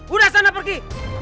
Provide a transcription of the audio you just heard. udah sana pergi